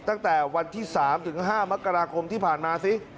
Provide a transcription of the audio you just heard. ตั้งแต่วันที่๓ถึง๕มกราคมที่ผ่านมาสิ